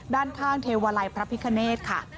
ด้านข้างเทวาลัยพระพิคเนธค่ะ